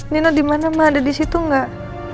nino dimana ma ada di situ gak